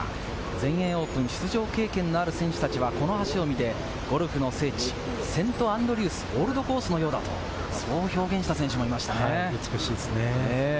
全英オープン出場経験のある選手たちは、この橋を見てゴルフの聖地・セントアンドリュース、オールドコースのようだと、そう表現した選手もいましたね。